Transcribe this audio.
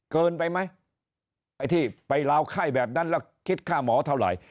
เกินไปไหมไอ้ที่ไปลาวไข้แบบนั้นแล้วคิดค่าหมอเท่าไหร่